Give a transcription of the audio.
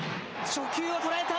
初球を捉えた。